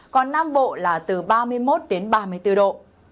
còn nam bộ là từ ba mươi một đến ba mươi bốn độ